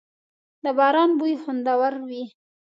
• د باران بوی خوندور وي.